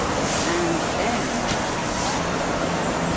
"And then what, Captain?"